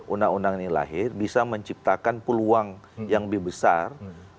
undang undang ini lahir bisa menciptakan peluang yang lebih besar